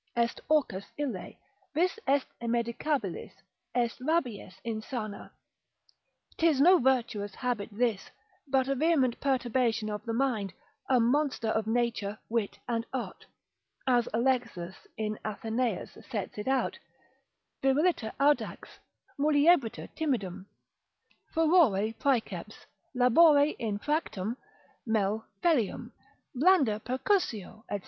Est orcus ille, vis est immedicabilis, est rabies insana; 'tis no virtuous habit this, but a vehement perturbation of the mind, a monster of nature, wit, and art, as Alexis in Athenaeus sets it out, viriliter audax, muliebriter timidium, furore praeceps, labore infractum, mel felleum, blanda percussio, &c.